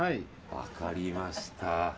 分かりました。